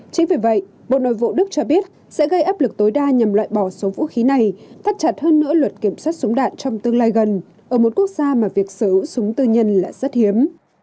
chính vì vậy bộ nội vụ đức cho biết sẽ gây áp lực tối đa nhằm loại bỏ số vũ khí này thắt chặt hơn nữa luật kiểm soát súng đạn trong tương lai gần ở một quốc gia mà việc sở hữu súng tư nhân là rất hiếm